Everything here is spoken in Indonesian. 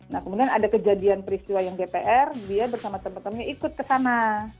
nah kemudian ada kejadian peristiwa yang dpr dia bersama teman temannya ikut ke sana